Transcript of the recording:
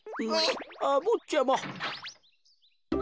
あっぼっちゃま。